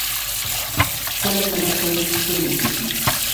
ښکلی قلم تل ښه لیکي.